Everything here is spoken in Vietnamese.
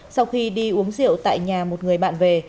sau khi đi uống rượu tại nhà một người bạn về